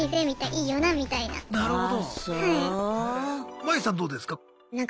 マイさんどうですか？